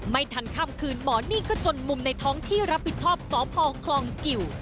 ไม่ทันค่ำคืนหมอนี่ก็จนมุมในท้องที่รับผิดชอบสพคลองกิว